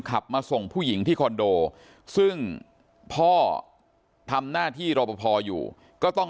ขับมาส่งผู้หญิงที่คอนโดซึ่งพ่อทำหน้าที่รอปภอยู่ก็ต้อง